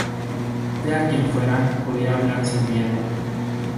Sea quien fuera, podía hablar sin miedo.